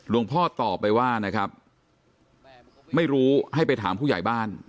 พ่อตอบไปว่านะครับไม่รู้ให้ไปถามผู้ใหญ่บ้าน